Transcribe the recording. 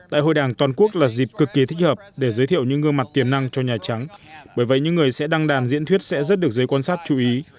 tại hội đảng toàn quốc là dịp cực kỳ thích hợp để giới thiệu những gương mặt tiềm năng cho nhà trắng bởi vậy những người sẽ đăng đàn diễn thuyết sẽ rất được giới quan sát chú ý